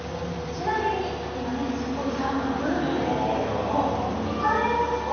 ちなみに今ねすごいサウナブームですけれども行かれますか？